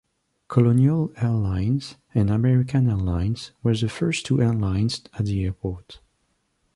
Colonial Airlines and American Airlines were the first two airlines at the airport.